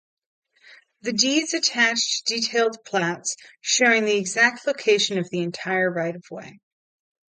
The deeds attached detailed plats showing the exact location of the entire right-of-way.